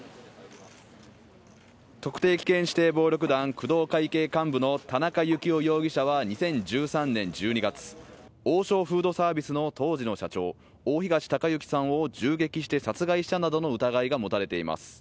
特定危険指定暴力団工藤会系幹部の田中幸雄容疑者は２０１３年１２月王将フードサービスの当時の社長大東隆行さんを銃撃して殺害したなどの疑いが持たれています